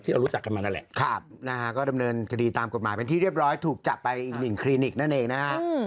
ข้าวใส่ไข่สบกว่าไข่ใหม่กว่าเดิมข้าวเวลา